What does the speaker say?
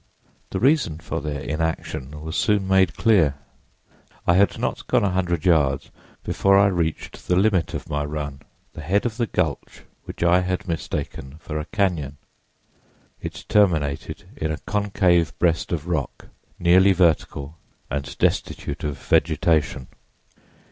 The reason for their inaction was soon made clear. I had not gone a hundred yards before I reached the limit of my run—the head of the gulch which I had mistaken for a cañon. It terminated in a concave breast of rock, nearly vertical and destitute of vegetation.